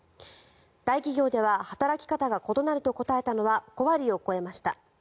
大企業では働き方が異なると答えたのは５割を超えました。